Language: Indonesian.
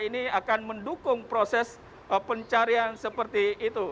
ini akan mendukung proses pencarian seperti itu